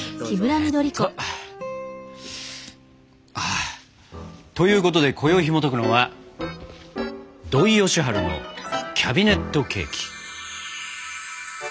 あということで今宵ひもとくのは「土井善晴のキャビネットケーキ」。